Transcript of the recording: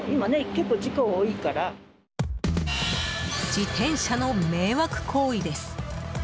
自転車の迷惑行為です。